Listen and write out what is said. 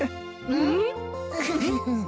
うん？